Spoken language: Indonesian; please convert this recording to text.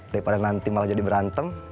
daripada nanti malah jadi berantem